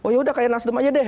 ya udah kayak nasdem aja deh